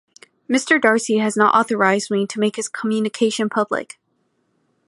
Mr. Darcy has not authorised me to make his communication public.